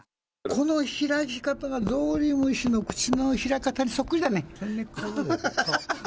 この開き方がゾウリムシの口の開き方にそっくりだね。